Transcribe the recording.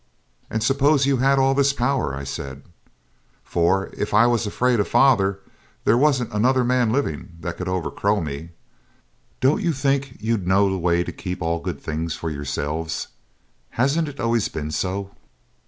'And suppose you had all this power,' I said for if I was afraid of father there wasn't another man living that could overcrow me 'don't you think you'd know the way to keep all the good things for yourselves? Hasn't it always been so?'